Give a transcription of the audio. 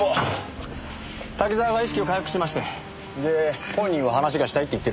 滝沢が意識を回復しましてで本人は話がしたいと言ってるんですがね。